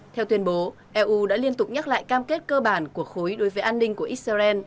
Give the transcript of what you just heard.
theo tuyên bố eu đã liên tục nhắc lại cam kết cơ bản của khối đối với an ninh của israel